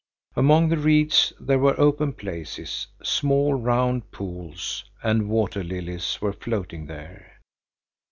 Among the reeds there were open places; small, round pools, and water lilies were floating there.